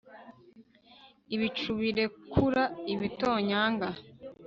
ibicu birekura ibitonyanga